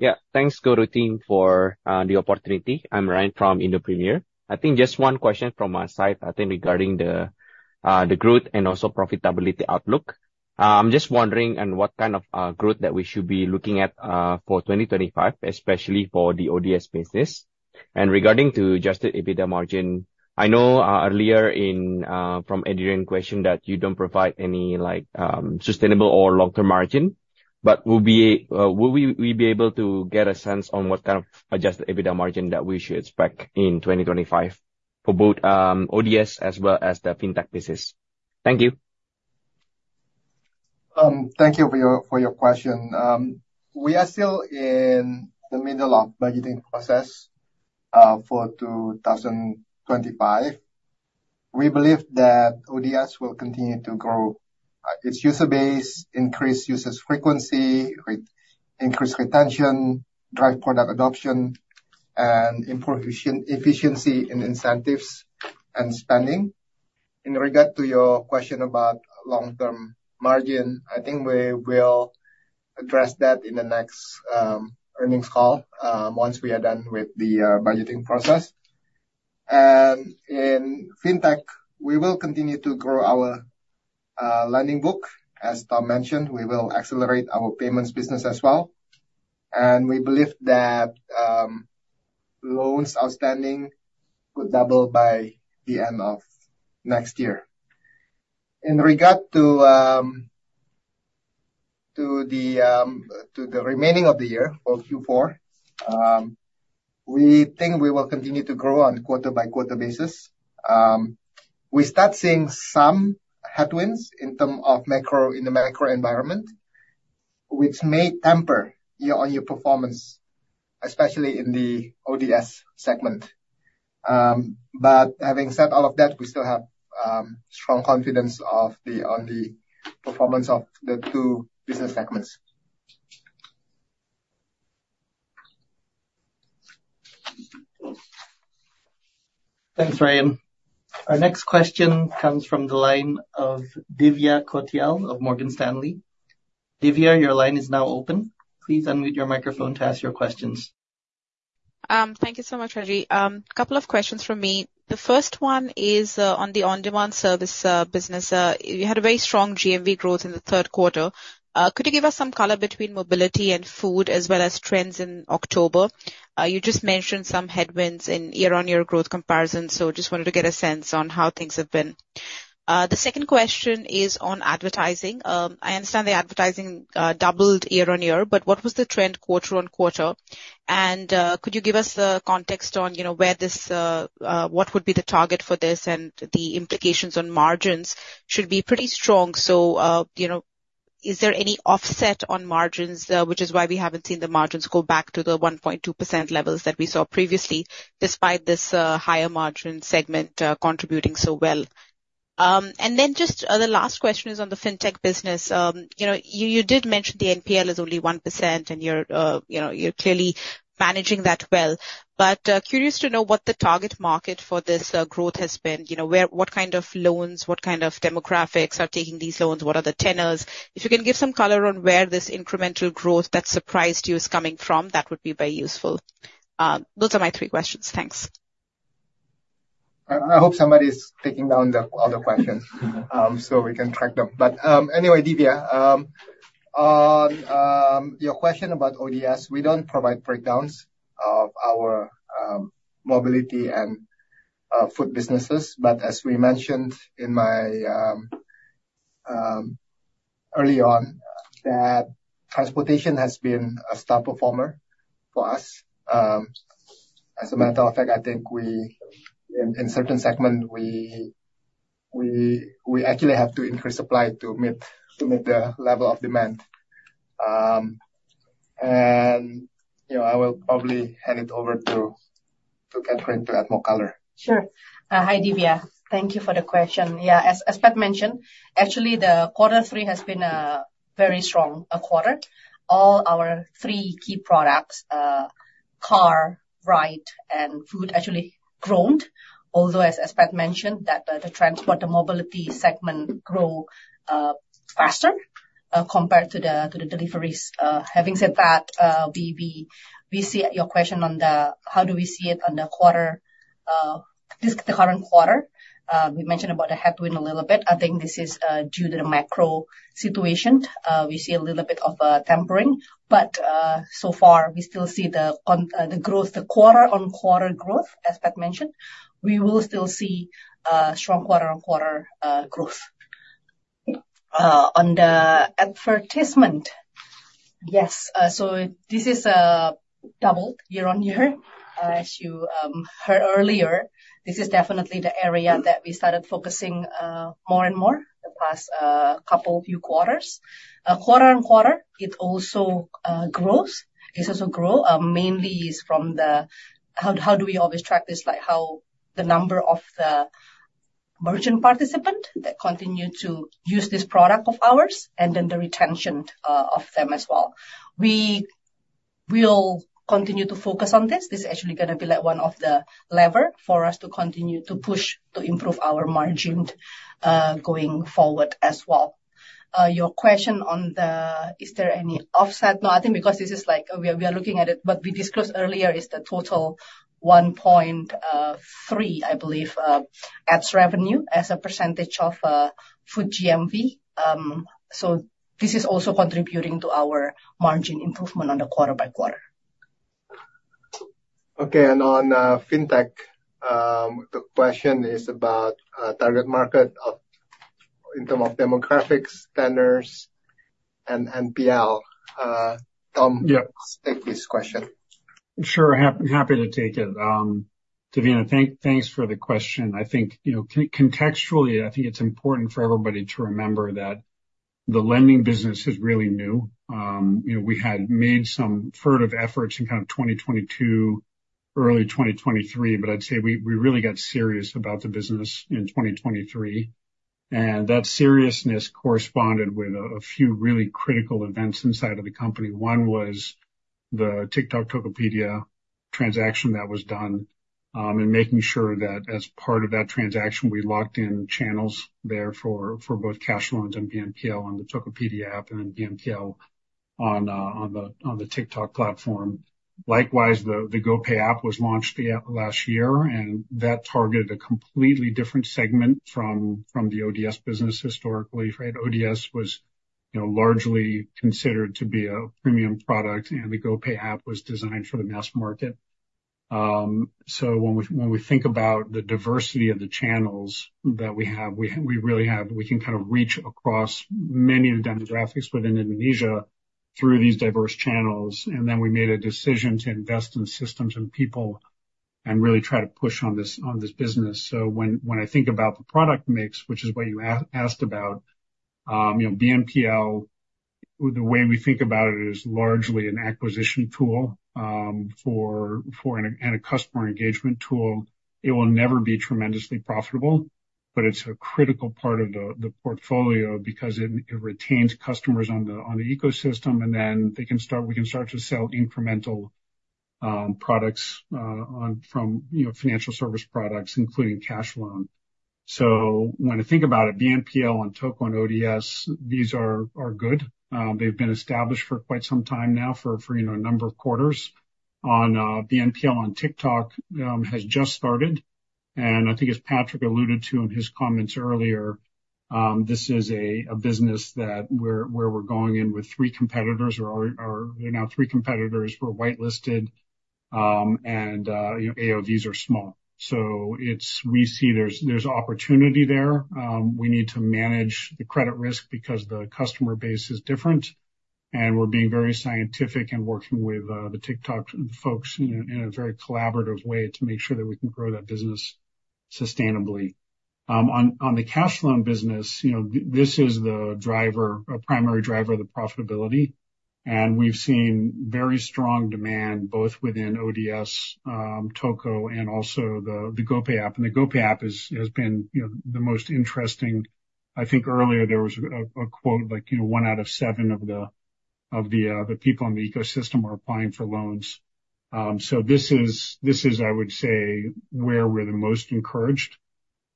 [SPEAKER 9] Yeah. Thanks, GoTo team, for the opportunity. I'm Ryan from Indo Premier. I think just one question from my side, I think, regarding the growth and also profitability outlook. I'm just wondering what kind of growth that we should be looking at for 2025, especially for the ODS business. And regarding to adjusted EBITDA margin, I know earlier from Adrian's question that you don't provide any sustainable or long-term margin, but will we be able to get a sense on what kind of adjusted EBITDA margin that we should expect in 2025 for both ODS as well as the fintech business? Thank you.
[SPEAKER 2] Thank you for your question. We are still in the middle of the budgeting process for 2025. We believe that ODS will continue to grow. Its user base increases usage frequency, increase retention, drive product adoption, and improve efficiency in incentives and spending. In regard to your question about long-term margin, I think we will address that in the next earnings call once we are done with the budgeting process. And in fintech, we will continue to grow our lending book. As Tom mentioned, we will accelerate our payments business as well. And we believe that loans outstanding could double by the end of next year. In regard to the remainder of the year for Q4, we think we will continue to grow on a quarter-by-quarter basis. We start seeing some headwinds in terms of the macro environment, which may temper our performance, especially in the ODS segment. But having said all of that, we still have strong confidence on the performance of the two business segments.
[SPEAKER 1] Thanks, Ryan. Our next question comes from the line of Divya Kothiyal of Morgan Stanley. Divya, your line is now open. Please unmute your microphone to ask your questions.
[SPEAKER 10] Thank you so much, Reggie. A couple of questions from me. The first one is on the on-demand service business. You had a very strong GMV growth in the third quarter. Could you give us some color between mobility and food as well as trends in October? You just mentioned some headwinds in year-on-year growth comparison, so I just wanted to get a sense on how things have been. The second question is on advertising. I understand the advertising doubled year-on-year, but what was the trend quarter on quarter? Could you give us the context on what would be the target for this and the implications on margins? Should be pretty strong. Is there any offset on margins, which is why we haven't seen the margins go back to the 1.2% levels that we saw previously, despite this higher margin segment contributing so well? Then just the last question is on the fintech business. You did mention the NPL is only 1%, and you're clearly managing that well. Curious to know what the target market for this growth has been. What kind of loans, what kind of demographics are taking these loans? What are the tenors? If you can give some color on where this incremental growth that surprised you is coming from, that would be very useful. Those are my three questions. Thanks. I hope somebody is taking down the other questions so we can track them. But anyway, Divya, on your question about ODS, we don't provide breakdowns of our mobility and food businesses. But as we mentioned early on, transportation has been a star performer for us. As a matter of fact, I think in certain segments, we actually have to increase supply to meet the level of demand. And I will probably hand it over to Catherine to add more color.
[SPEAKER 5] Sure. Hi, Divya. Thank you for the question. Yeah. As Pat mentioned, actually, the quarter three has been a very strong quarter. All our three key products, car, ride, and food, actually grown. Although, as Pat mentioned, the transport, the mobility segment grew faster compared to the deliveries. Having said that, we see your question on how do we see it on the current quarter. We mentioned about the headwind a little bit. I think this is due to the macro situation. We see a little bit of a tempering. But so far, we still see the growth, the quarter-on-quarter growth, as Pat mentioned. We will still see strong quarter-on-quarter growth. On the advertisement, yes. So this is doubled year-on-year. As you heard earlier, this is definitely the area that we started focusing more and more the past couple of few quarters. Quarter on quarter, it also grows. It also grows mainly from the how do we always track this? How the number of the merchant participants that continue to use this product of ours, and then the retention of them as well. We will continue to focus on this. This is actually going to be one of the levers for us to continue to push to improve our margin going forward as well. Your question on the, is there any offset? No, I think because this is like we are looking at it. What we disclosed earlier is the total 1.3%, I believe, ads revenue as a percentage of food GMV. So this is also contributing to our margin improvement on the quarter by quarter. Okay. And on fintech, the question is about target market in terms of demographics, tenors, and NPL. Tom, take this question.
[SPEAKER 7] Sure. Happy to take it. Divya, thanks for the question. I think contextually, I think it's important for everybody to remember that the lending business is really new. We had made some furtive efforts in kind of 2022, early 2023, but I'd say we really got serious about the business in 2023. And that seriousness corresponded with a few really critical events inside of the company. One was the TikTok Tokopedia transaction that was done and making sure that as part of that transaction, we locked in channels there for both cash loans and BNPL on the Tokopedia app and then BNPL on the TikTok platform. Likewise, the GoPay app was launched last year, and that targeted a completely different segment from the ODS business historically, right? ODS was largely considered to be a premium product, and the GoPay app was designed for the mass market. So when we think about the diversity of the channels that we have, we really can kind of reach across many of the demographics within Indonesia through these diverse channels. And then we made a decision to invest in systems and people and really try to push on this business. So when I think about the product mix, which is what you asked about, BNPL, the way we think about it is largely an acquisition tool and a customer engagement tool. It will never be tremendously profitable, but it's a critical part of the portfolio because it retains customers on the ecosystem, and then we can start to sell incremental products from financial service products, including cash loan. So when I think about it, BNPL on Tok on ODS, these are good. They've been established for quite some time now for a number of quarters. BNPL on TikTok has just started. And I think as Patrick alluded to in his comments earlier, this is a business that where we're going in with three competitors or now three competitors who are whitelisted, and AOVs are small. So we see there's opportunity there. We need to manage the credit risk because the customer base is different, and we're being very scientific and working with the TikTok folks in a very collaborative way to make sure that we can grow that business sustainably. On the cash loan business, this is the primary driver of the profitability, and we've seen very strong demand both within ODS, Tokopedia, and also the GoPay app, and the GoPay app has been the most interesting. I think earlier there was a quote like, "One out of seven of the people in the ecosystem are applying for loans." So this is, I would say, where we're the most encouraged,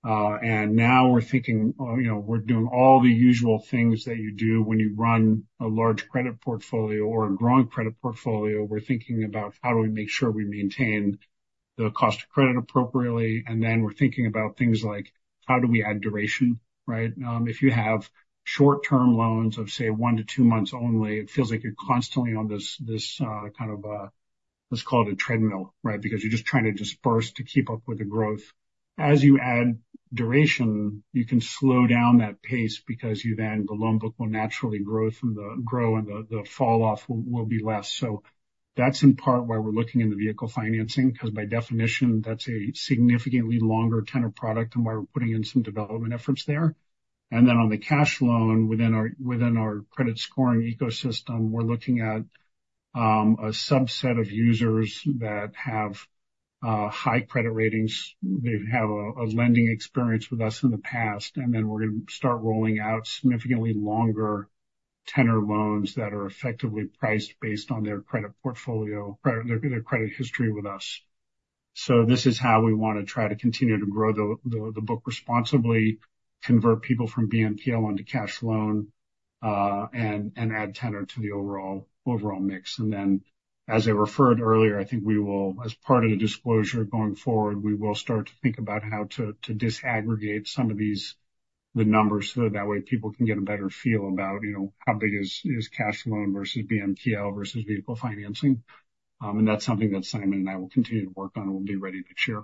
[SPEAKER 7] and now we're thinking we're doing all the usual things that you do when you run a large credit portfolio or a growing credit portfolio. We're thinking about how do we make sure we maintain the cost of credit appropriately. And then we're thinking about things like how do we add duration, right? If you have short-term loans of, say, one to two months only, it feels like you're constantly on this kind of, let's call it a treadmill, right, because you're just trying to disburse to keep up with the growth. As you add duration, you can slow down that pace because then the loan book will naturally grow, and the falloff will be less. So that's in part why we're looking in the vehicle financing because by definition, that's a significantly longer tenor product and why we're putting in some development efforts there. And then on the cash loan within our credit scoring ecosystem, we're looking at a subset of users that have high credit ratings. They have a lending experience with us in the past. And then we're going to start rolling out significantly longer tenor loans that are effectively priced based on their credit portfolio, their credit history with us. So this is how we want to try to continue to grow the book responsibly, convert people from BNPL onto cash loan, and add tenor to the overall mix. And then, as I referred earlier, I think we will, as part of the disclosure going forward, we will start to think about how to disaggregate some of these numbers so that that way people can get a better feel about how big is cash loan versus BNPL versus vehicle financing. And that's something that Simon and I will continue to work on and will be ready to share.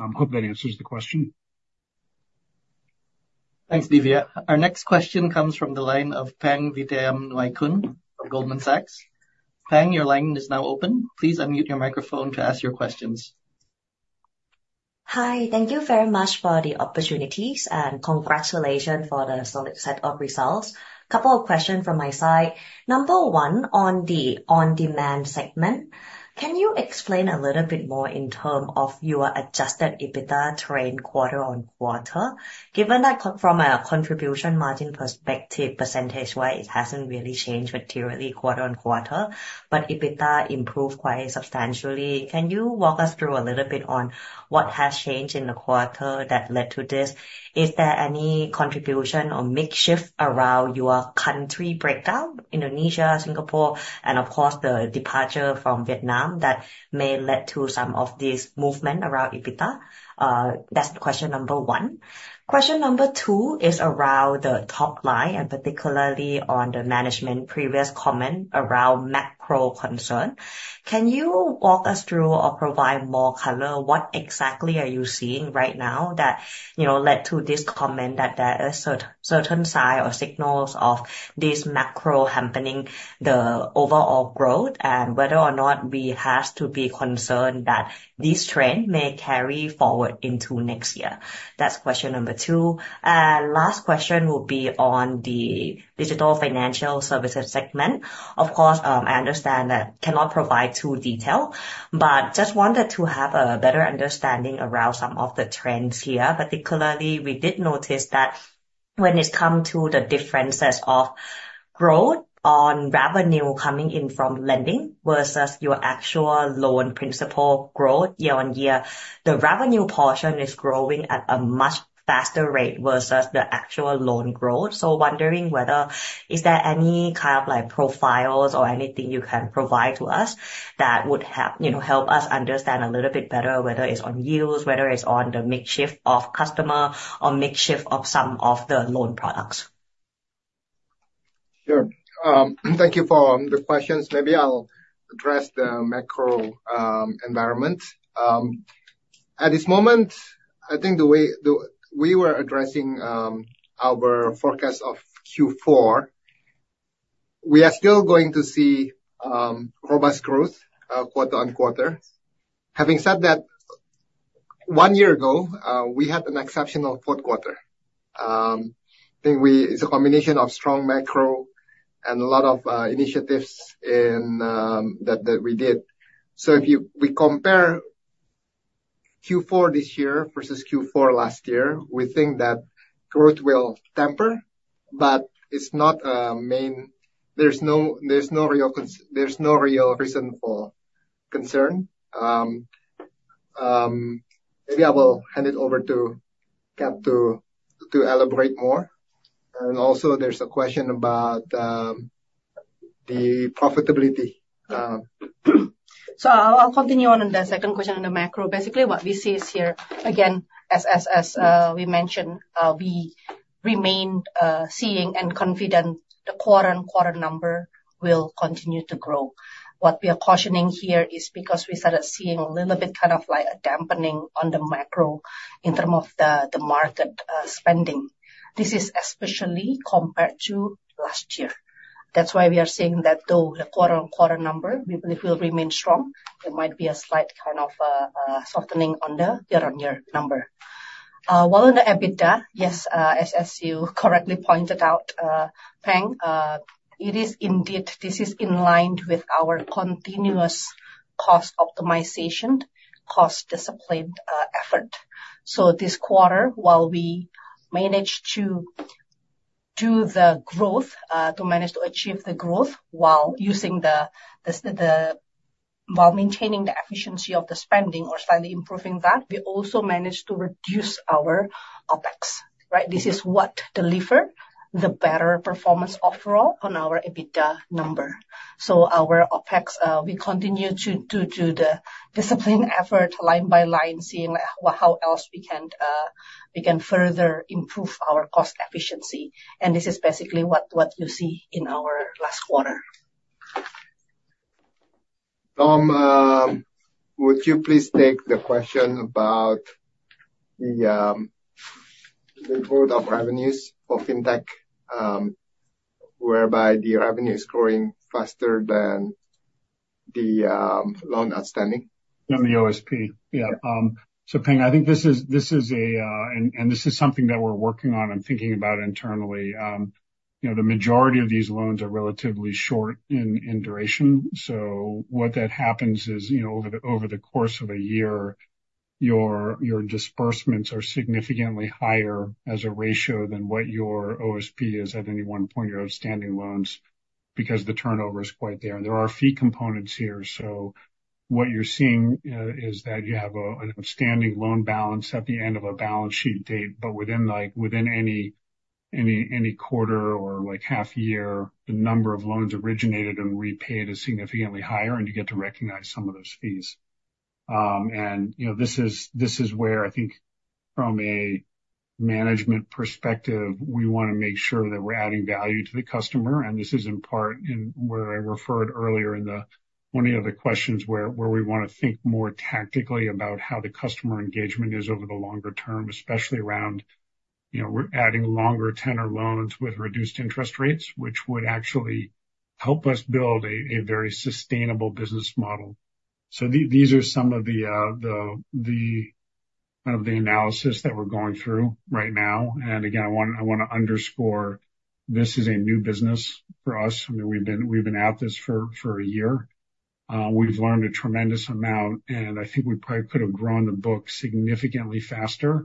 [SPEAKER 7] I hope that answers the question.
[SPEAKER 1] Thanks, Divya. Our next question comes from the line of Pang Vittayamongkol from Goldman Sachs. Pang, your line is now open. Please unmute your microphone to ask your questions.
[SPEAKER 11] Hi. Thank you very much for the opportunities and congratulations for the solid set of results. A couple of questions from my side. Number one, on the on-demand segment, can you explain a little bit more in terms of your Adjusted EBITDA trend quarter on quarter? Given that from a Contribution Margin perspective, percentage-wise, it hasn't really changed materially quarter on quarter, but EBITDA improved quite substantially. Can you walk us through a little bit on what has changed in the quarter that led to this? Is there any contribution or mix shift around your country breakdown, Indonesia, Singapore, and of course, the departure from Vietnam that may lead to some of this movement around EBITDA? That's question number one. Question number two is around the top line, and particularly on the management previous comment around macro concern. Can you walk us through or provide more color? What exactly are you seeing right now that led to this comment that there is a certain sign or signals of this macro happening, the overall growth, and whether or not we have to be concerned that this trend may carry forward into next year? That's question number two. And last question will be on the digital financial services segment. Of course, I understand that I cannot provide too much detail, but just wanted to have a better understanding around some of the trends here. Particularly, we did notice that when it comes to the differences of growth on revenue coming in from lending versus your actual loan principal growth year-on-year, the revenue portion is growing at a much faster rate versus the actual loan growth. So wondering whether is there any kind of profiles or anything you can provide to us that would help us understand a little bit better whether it's on yields, whether it's on the makeup of customer, or makeup of some of the loan products?
[SPEAKER 2] Sure. Thank you for the questions. Maybe I'll address the macro environment. At this moment, I think the way we were addressing our forecast of Q4, we are still going to see robust growth quarter on quarter. Having said that, one year ago, we had an exceptional fourth quarter. I think it's a combination of strong macro and a lot of initiatives that we did. So if we compare Q4 this year versus Q4 last year, we think that growth will temper, but it's not a main, there's no real reason for concern. Maybe I will hand it over to Cat to elaborate more. And also, there's a question about the profitability. So I'll continue on the second question on the macro. Basically, what we see is here, again, as we mentioned, we remain seeing and confident the quarter on quarter number will continue to grow. What we are cautioning here is because we started seeing a little bit kind of like a dampening on the macro in terms of the market spending. This is especially compared to last year. That's why we are seeing that though the quarter on quarter number, we believe will remain strong. There might be a slight kind of softening on the year-on-year number. While on the EBITDA, yes, as you correctly pointed out, Pang, it is indeed. This is in line with our continuous cost optimization, cost discipline effort. So this quarter, while we managed to achieve the growth while maintaining the efficiency of the spending or slightly improving that, we also managed to reduce our OPEX, right? This is what delivers the better performance overall on our EBITDA number. So our OPEX, we continue to do the discipline effort line by line, seeing how else we can further improve our cost efficiency. And this is basically what you see in our last quarter. Tom, would you please take the question about the growth of revenues for fintech, whereby the revenue is growing faster than the loan outstanding?
[SPEAKER 7] And the OSP. Yeah. Pang, I think this is something that we're working on and thinking about internally. The majority of these loans are relatively short in duration. What that happens is over the course of a year, your disbursements are significantly higher as a ratio than what your OSP is at any one point, your outstanding loans, because the turnover is quite there. There are fee components here. What you're seeing is that you have an outstanding loan balance at the end of a balance sheet date, but within any quarter or half year, the number of loans originated and repaid is significantly higher, and you get to recognize some of those fees. This is where, I think, from a management perspective, we want to make sure that we're adding value to the customer. And this is in part where I referred earlier in one of the other questions where we want to think more tactically about how the customer engagement is over the longer term, especially around we're adding longer tenor loans with reduced interest rates, which would actually help us build a very sustainable business model. So these are some of the kind of the analysis that we're going through right now. And again, I want to underscore this is a new business for us. I mean, we've been at this for a year. We've learned a tremendous amount, and I think we probably could have grown the book significantly faster,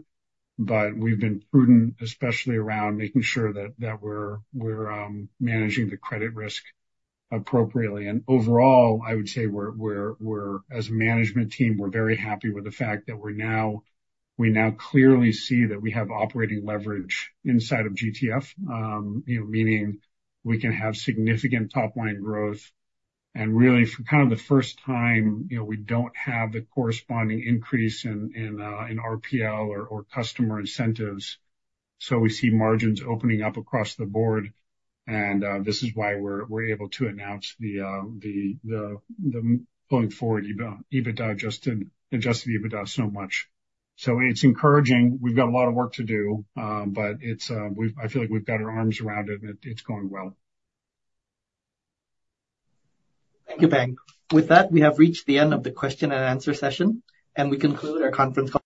[SPEAKER 7] but we've been prudent, especially around making sure that we're managing the credit risk appropriately. And overall, I would say we're, as a management team, we're very happy with the fact that we now clearly see that we have operating leverage inside of GTF, meaning we can have significant top-line growth. And really, for kind of the first time, we don't have the corresponding increase in NPL or customer incentives. So we see margins opening up across the board. And this is why we're able to announce the going forward adjusted EBITDA so much. So it's encouraging. We've got a lot of work to do, but I feel like we've got our arms around it, and it's going well.
[SPEAKER 12] Thank you, Pang. With that, we have reached the end of the question and answer session, and we conclude our conference call.